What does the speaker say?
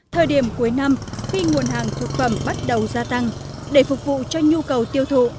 thời điểm cuối năm khi nguồn hàng thực phẩm bắt đầu gia tăng để phục vụ cho nhu cầu tiêu thụ